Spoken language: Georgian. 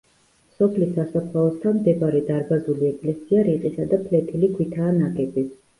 სოფლის სასაფლაოსთან მდებარე დარბაზული ეკლესია რიყისა და ფლეთილი ქვითაა ნაგები.